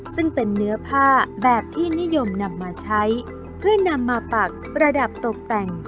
ซึ่งเป็นเนื้อผ้าแบบที่นิยมนำมาใช้เพื่อนำมาปักประดับตกแต่ง